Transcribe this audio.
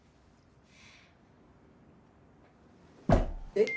えっ。